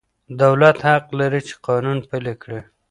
دولت حق لري چي قانون پلي کړي.